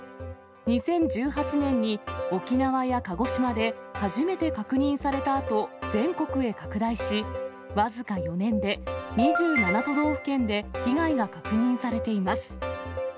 ２０１８年に沖縄や鹿児島で、初めて確認されたあと、全国へ拡大し、僅か４年で、２７都道県で被害が確認されています。